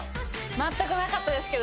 まったくなかったですけど。